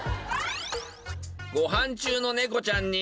［ご飯中の猫ちゃんに］